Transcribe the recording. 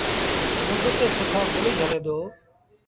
مند تي سُٺآ گل جھلي دو۔